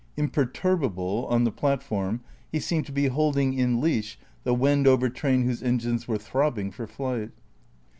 Im perturbable, on the platform, he seemed to be holding in leash the Wendover train whose engines were throbbing for flight.